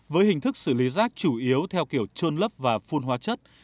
với hình thức xử lý rác chủ yếu theo kiểu trôn lấp và phun hóa chất